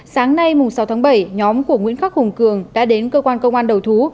sáng nay sáu tháng bảy nhóm của nguyễn khắc hùng cường đã đến cơ quan công an đầu thú